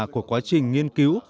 của quá trình nghiên cứu